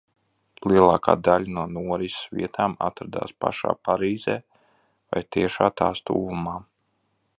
Lielākā daļa no norises vietām atradās pašā Parīzē vai tiešā tās tuvumā.